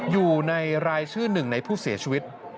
อยู่ในรายชื่อหนึ่งในผู้เสียชีวิต